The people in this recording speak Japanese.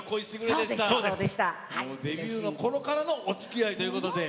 デビューのころからのおつきあいということで。